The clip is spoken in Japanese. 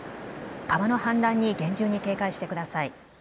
川の氾濫に厳重に警戒してください。